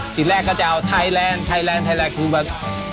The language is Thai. สีแรกก็จะเอาไทรแลนด์คือแบบ